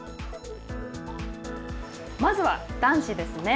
まずは男子ですね。